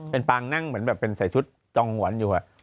เป็นปางนั่งเหมือนแบบเป็นใส่ชุดจองหงวนอยู่